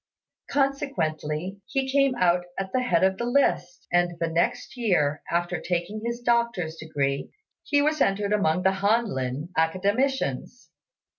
Consequently, he came out at the head of the list; and the next year, after taking his doctor's degree, he was entered among the Han lin Academicians.